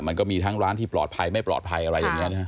มันก็มีทั้งร้านที่ปลอดภัยไม่ปลอดภัยอะไรอย่างนี้นะครับ